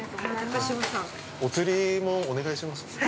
お釣りもお願いします。